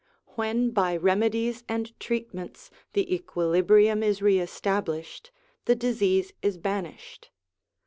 When by remedies and treatments the equilibrium is re established, the disease is banished.